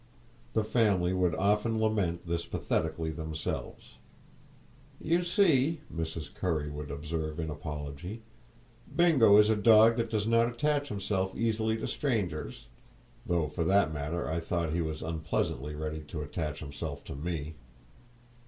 The family would often lament this pathetically themselves. "You see," Mrs. Currie would observe in apology, "Bingo is a dog that does not attach himself easily to strangers"—though, for that matter, I thought he was unpleasantly ready to attach himself to me.